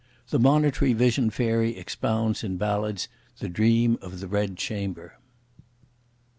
The Monitory Vision Fairy expounds, in ballads, the Dream of the Red Chamber.